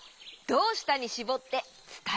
「どうした」にしぼっていうと？